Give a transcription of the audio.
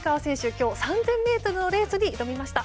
今日、３０００ｍのレースに挑みました。